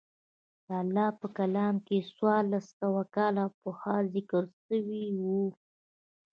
د الله په کلام کښې څوارلس سوه کاله پخوا ذکر سوي وو.